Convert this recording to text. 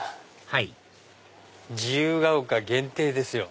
はい「自由が丘限定」ですよ。